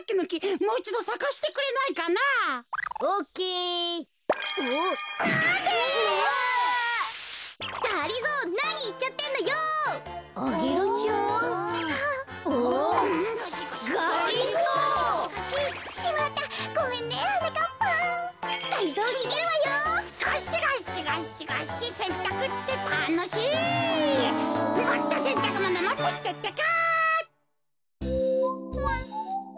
もっとせんたくものもってきてってか。